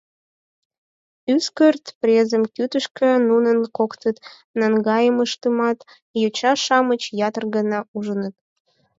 Ӱскырт презым кӱтӱшкӧ нунын коктын наҥгайымыштымат йоча-шамыч ятыр гана ужыныт.